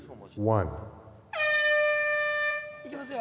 いけますよ。